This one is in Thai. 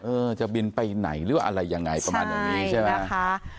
จะบินไปไหนหรือว่าอะไรยังไงประมาณอย่างนี้ใช่ไหม